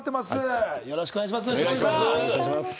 よろしくお願いします